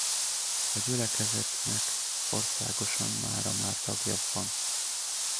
A gyülekezetnek országosan mára már tagja van.